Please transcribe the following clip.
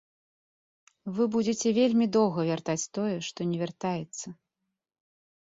Вы будзеце вельмі доўга вяртаць тое, што не вяртаецца.